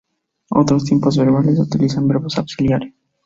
Otros tiempos verbales utilizan verbos auxiliares.